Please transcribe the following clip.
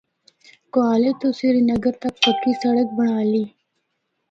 کوہالے تو سری نگر تک پکی سڑک بنڑالی۔